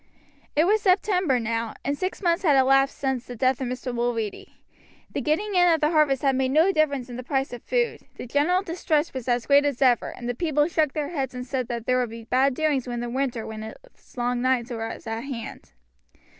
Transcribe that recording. It was September now, and six months had elapsed since the death of Mr. Mulready. The getting in of the harvest had made no difference in the price of food, the general distress was as great as ever, and the people shook their heads and said that there would be bad doings when the winter with its long nights was at hand.